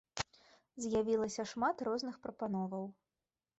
З'явілася шмат розных прапановаў.